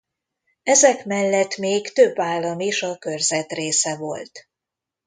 Ezek mellett még több állam is a körzet része volt.